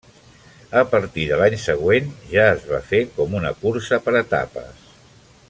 A partir de l'any següent ja es va fer com una cursa per etapes.